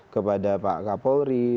kepada pak kapolri